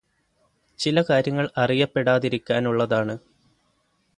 ചില കാര്യങ്ങള് അറിയപ്പെടാതിരിക്കാനുള്ളതാണ്